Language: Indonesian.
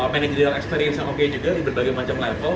managerial experience yang oke juga di berbagai macam level